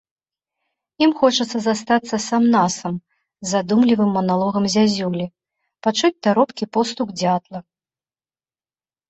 Ім хочацца застацца сам-насам з задумлівым маналогам зязюлі, пачуць таропкі постук дзятла.